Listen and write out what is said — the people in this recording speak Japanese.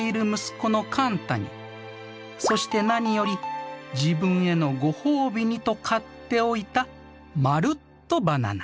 そして何より自分へのご褒美にと買っておいたまるっとバナナ。